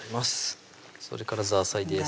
それからザーサイです